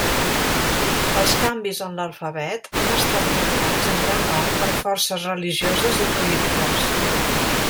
Els canvis en l'alfabet han estat modelats en gran part per forces religioses i polítiques.